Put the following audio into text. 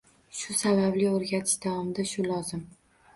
Shu sababli o’rgatish davomida shu lozim.